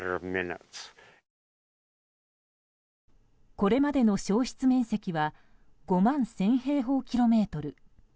これまでの焼失面積は５万１０００平方キロメートル。